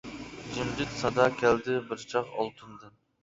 جىمجىت سادا كەلدى بىر چاغ ئالتۇندىن.